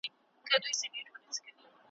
زه د مرګ له تور ګردابه خپل نصیب یم را ایستلی ,